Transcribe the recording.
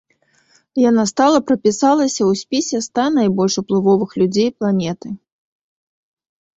Яна стала прапісалася ў спісе ста найбольш уплывовых людзей планеты.